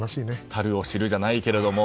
足るを知るじゃないけれども。